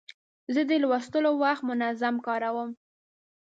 زه د لوستلو وخت منظم کاروم.